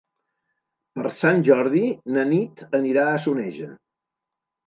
Per Sant Jordi na Nit anirà a Soneja.